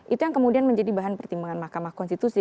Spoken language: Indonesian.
itu yang kemudian menjadi bahan pertimbangan mahkamah konstitusi